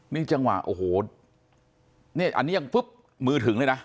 นี่จังหวะโอ้โหนี่อันนี้ยังปุ๊บมือถึงเลยนะ